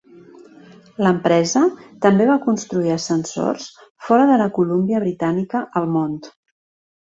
L'empresa també va construir ascensors fora de la Columbia Britànica al Mont.